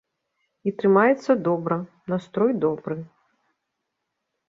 І трымаецца добра, настрой добры.